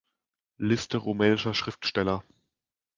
Liste rumänischer Schriftsteller